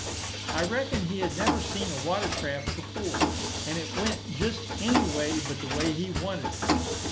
I reckon he had never seen a water craft before; and it went just any way but the way he wanted it.